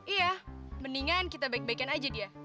iya mendingan kita baik baikin aja dia